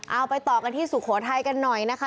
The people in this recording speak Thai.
เอาไปต่อกันที่สุโขทัยกันหน่อยนะคะ